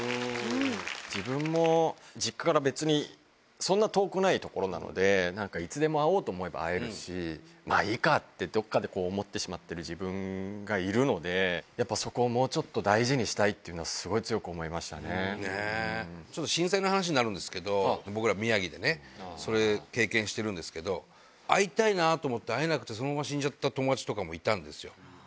自分も、実家からそんな遠くない所なので、なんかいつでも会おうと思えば会えるし、まあいいかってどこかで思ってしまってる自分がいるので、やっぱそこをもうちょっと大事にしたいっていうのは、すごい強くちょっと震災の話になるんですけど、僕ら宮城でね、それ、経験してるんですけど、会いたいなと思ったら、会えなくて、そのまま死んじゃった友達とかいたんですよ。